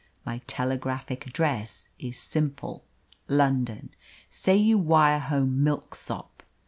My telegraphic address is 'Simple, London.' Say you wire home 'Milksop.'